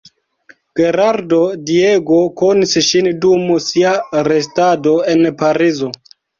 Gerardo Diego konis ŝin dum sia restado en Parizo.